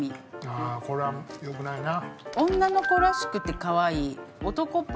ああこれは良くないな。